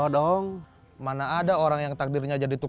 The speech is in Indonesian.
persibilikan padahal satu ulang tahun memang jalanya anjur